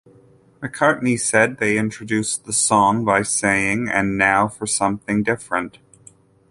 McCartney said they introduced the song by saying, 'And now for something different.